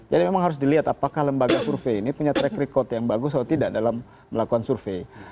jadi memang harus dilihat apakah lembaga survei ini punya track record yang bagus atau tidak dalam melakukan survei